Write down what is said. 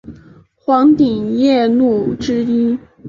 黄顶夜鹭之一。